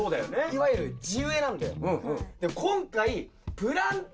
いわゆる地植えなんだよ。